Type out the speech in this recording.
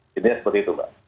jadi seperti itu pak